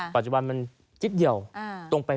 ปัจจุบันมันจิ๊บเดียวตรงไป